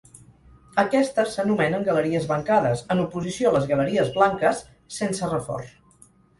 Aquestes s'anomenen galeries bancades, en oposició a les galeries blanques, sense reforç.